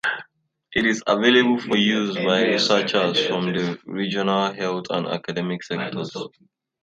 It is available for use by researchers from the regional health and academic sectors.